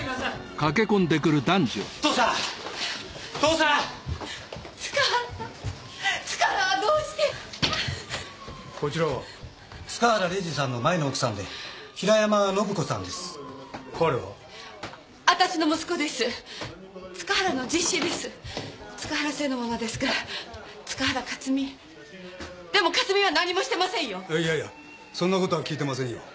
いやいやそんなことは聞いてませんよ。